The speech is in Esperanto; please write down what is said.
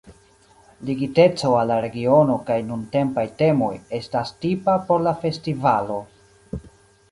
Ligiteco al la regiono kaj nuntempaj temoj estas tipa por la festivalo.